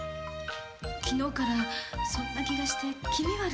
昨日からそんな気がして気味悪くて。